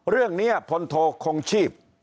เรื่องนี้พลโทคงชีพ